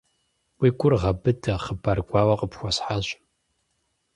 Уи гур гъэбыдэ, хъыбар гуауэ къыпхуэсхьащ.